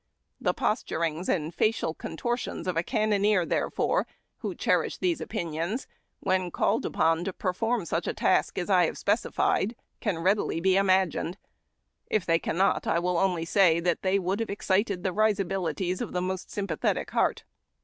The posturings and facial contortions of a cannoneer, therefore, who cherished these opinions, when called upon to perform such a task as I have specified, can readily be imagined ; if they cannot, I will only say that they would have excited the risibilities of the most sympa thetic heart.